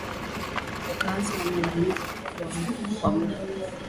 Wakazi wamelalamika kwa muda mrefu